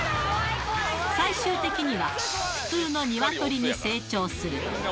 最終的には、普通のニワトリに成長する。